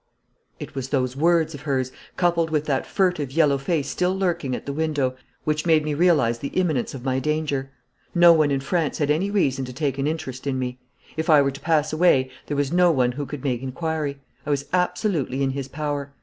It was those words of hers, coupled with that furtive yellow face still lurking at the window, which made me realise the imminence of my danger. No one in France had any reason to take an interest in me. If I were to pass away there was no one who could make inquiry I was absolutely in his power.